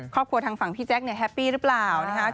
ครอบครัวทางฝั่งพี่แจ็คเนี่ยแฮปปี้หรือเปล่านะฮะ